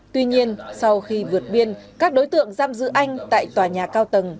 tuy nhiên sau khi vượt biên các đối tượng giam giữ anh tại tòa nhà cao tầng